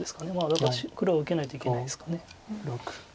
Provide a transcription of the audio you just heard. だから黒は受けないといけないですか。